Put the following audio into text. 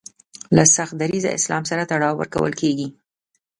له سخت دریځه اسلام سره تړاو ورکول کیږي